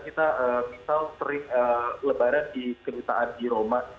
kita misal sering lebaran di kedutaan di roma